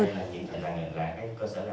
hãy đăng ký kênh để nhận thông tin nhất nhé